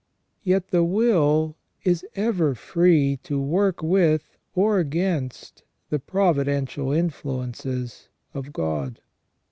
Yet the will is ever free to work with or against the providential influences of God.